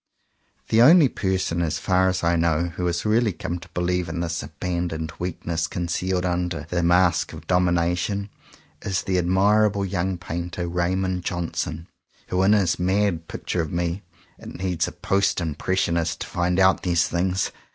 The only person as far as I know who has really come to believe in this abandoned weakness concealed under the mask of domination, is the admirable young painter Raymond Johnson, who in his mad picture of me — it needs a Post im pressionist to find out these things!